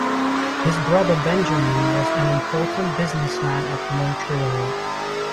His brother Benjamin was an important businessman at Montreal.